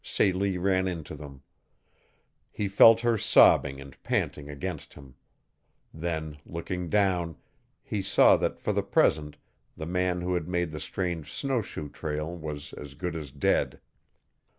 Celie ran into them. He felt her sobbing and panting against him. Then, looking down, he saw that for the present the man who had made the strange snowshoe trail was as good as dead.